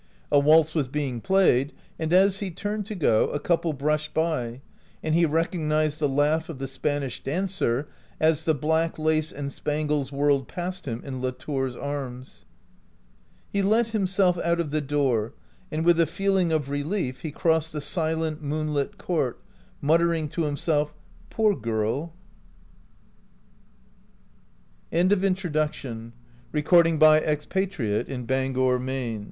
A waltz was being played, and as he turned to go, a couple brushed by, and he recognized the laugh of the Spanish dancer, as the black lace and spangles whirled past him, in Latour's arms. He let himself out of the door, and with a feeling of relief he crossed the silent moonlit court, muttering to himself, " Poor g